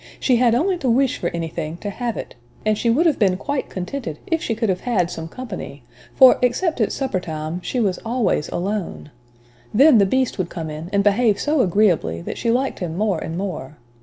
She had only to wish for anything to have it; and she would have been quite contented if she could have had some company; for, except at supper time, she was always alone! Then the Beast would come in and behave so agreeably, that she liked him more and more.